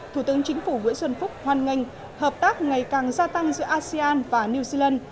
thủ tướng chính phủ nguyễn xuân phúc hoan nghênh hợp tác ngày càng gia tăng giữa asean và new zealand